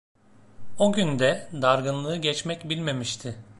O gün de dargınlığı geçmek bilmemişti.